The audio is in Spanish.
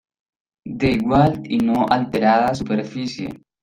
De igual y no alterada superficie.